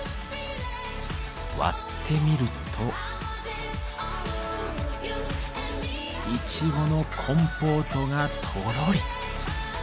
割ってみるとイチゴのコンポートがとろり。